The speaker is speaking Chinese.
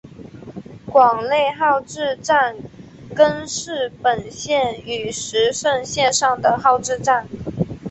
广内号志站根室本线与石胜线上的号志站。